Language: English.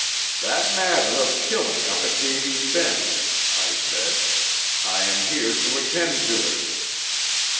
"'That matter of killing up at Davy's Bend,' I said, 'I am here to attend to it.'